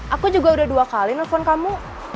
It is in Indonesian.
aku juga udah dua kali nelfon kamu